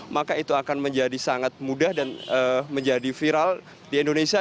maka itu akan menjadi sangat mudah dan menjadi viral di indonesia